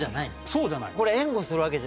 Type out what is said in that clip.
そうじゃない。